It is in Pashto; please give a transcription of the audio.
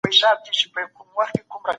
ملکیت د انسان ثمره ده.